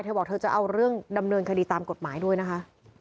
บอกเธอจะเอาเรื่องดำเนินคดีตามกฎหมายด้วยนะคะ